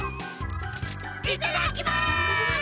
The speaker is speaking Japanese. いただきます！